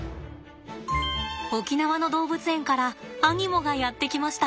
沖縄の動物園からアニモがやって来ました。